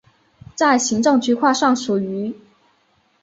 在行政区划上属于。